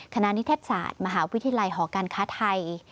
ณนิเทศศาสตร์มหาวิทยาลัยหอการค้าไทย